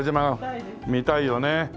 見たいよね。